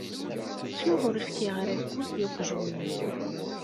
Ttuɣ ur fkiɣ ara lqut i weqjun-iw.